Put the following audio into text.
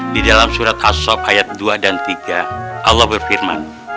di dalam surat asok ayat dua dan tiga allah berfirman